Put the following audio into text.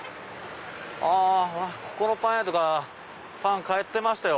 あここのパン屋とか買ってましたよ